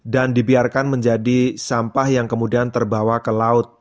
dan dibiarkan menjadi sampah yang kemudian terbawa ke laut